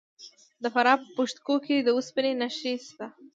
د فراه په پشت کوه کې د وسپنې نښې شته.